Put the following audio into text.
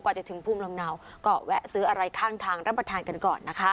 จะถึงภูมิลำเนาก็แวะซื้ออะไรข้างทางรับประทานกันก่อนนะคะ